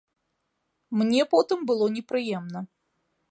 Мне потым было непрыемна.